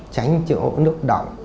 tránh chỗ nước đọng